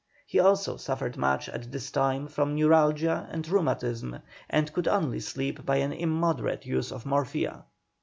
He also suffered much at this time from neuralgia and rheumatism, and could only sleep by an immoderate use of morphia.